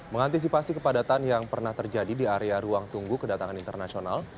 mengantisipasi kepadatan yang pernah terjadi di area ruang tunggu kedatangan internasional